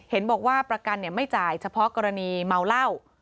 เห็นบอกว่าประกันไม่จ่ายเฉพาะกรณีเมาเหล้า